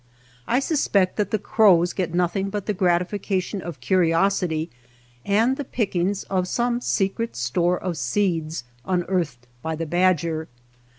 I suspect that the crows get no thing but the gratification of curiosity and the pickings of some secret store of seeds unearthed by the badger.